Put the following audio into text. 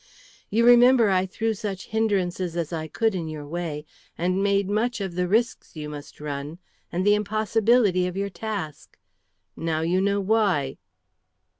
You remember I threw such hindrances as I could in your way, and made much of the risks you must run, and the impossibility of your task. Now you know why."